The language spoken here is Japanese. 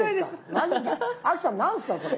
亜紀さん何ですかこれ？